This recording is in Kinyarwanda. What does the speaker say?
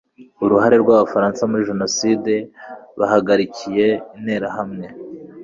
uruhare rw'abafaransa muri jenoside bahagarikiye interahamwe